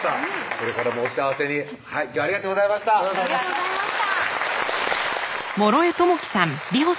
これからもお幸せに今日はありがとうございましたありがとうございます